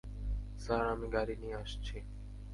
Sir, আমি গাড়ি নিয়ে আসছি।